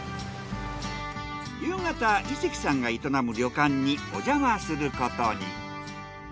夕方伊関さんが営む旅館におじゃますることに。